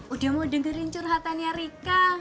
udah mau dengerin curhatannya rika